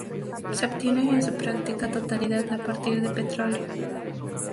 Se obtiene en su práctica totalidad a partir del petróleo.